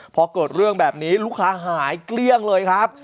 พอเกิดเรื่องแบบนี้ลูกค้าหายเกลี้ยงเลยครับ